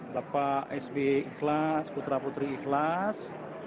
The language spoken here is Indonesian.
bapak sbi ikhlas putra putri ikhlas